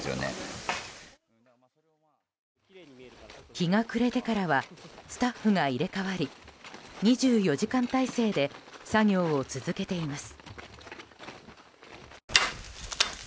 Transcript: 日が暮れてからはスタッフが入れ替わり２４時間態勢で作業を続けています。